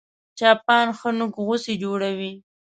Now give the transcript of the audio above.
چاپان ښه نوک غوڅي جوړوي